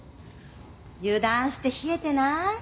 油断して冷えてない？